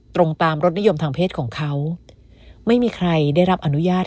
ตรงตามรสนิยมทางเพศของเขาไม่มีใครได้รับอนุญาต